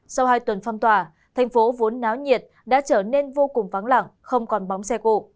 sau hai tuần phong tỏa thành phố vốn náo nhiệt đã trở nên vô cùng vắng lặng không còn bóng xe cộ